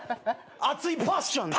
熱いパッション！